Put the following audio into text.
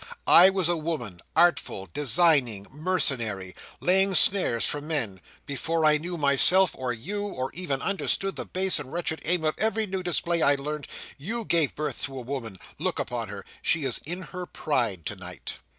I was a woman—artful, designing, mercenary, laying snares for men—before I knew myself, or you, or even understood the base and wretched aim of every new display I learnt You gave birth to a woman. Look upon her. She is in her pride tonight."